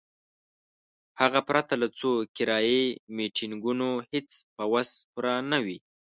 هغه پرته له څو کرایي میټینګونو هیڅ په وس پوره نه وي.